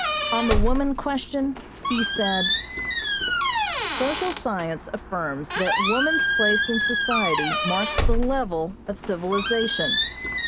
On the woman question, he said: "Social science affirms that woman's place in society marks the level of civilization.